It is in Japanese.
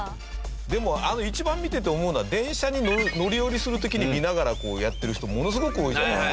でも一番見てて思うのは電車に乗り降りする時に見ながらこうやってる人ものすごく多いじゃないですか。